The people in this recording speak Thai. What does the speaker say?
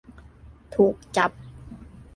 ถูกจับ